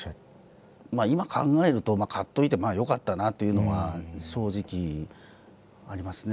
今考えると買っといてよかったなっていうのは正直ありますね。